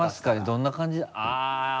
どんな感じで？